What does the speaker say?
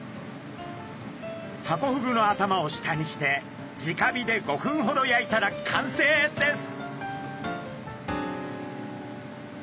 ハコフグの頭を下にしてじか火で５分ほど焼いたら完成です！